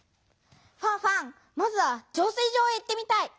ファンファンまずは浄水場へ行ってみたい。